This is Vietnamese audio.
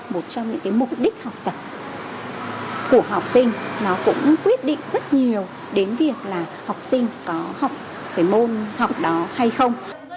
một trong những cái mục đích học tập của học sinh nó cũng quyết định rất nhiều đến việc là học sinh có học cái môn học đó hay không